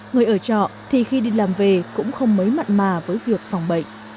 người ở trọ thì khi đi làm về cũng không mấy mặn mà với việc phòng bệnh